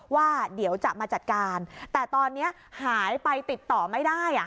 ว่าเดี๋ยวจะมาจัดการแต่ตอนนี้หายไปติดต่อไม่ได้